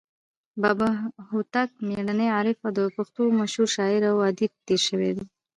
بابا هوتک میړنى، عارف او د پښتو مشر شاعر او ادیب تیر سوى دئ.